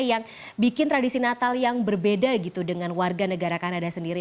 yang bikin tradisi natal yang berbeda gitu dengan warga negara kanada sendiri